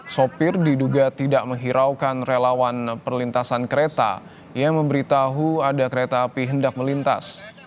sopir diduga tidak menghiraukan relawan perlintasan kereta yang memberitahu ada kereta api hendak melintas